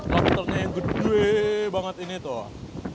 maskernya yang gede banget ini tuh